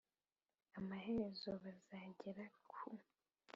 Amaherezo bazagera ku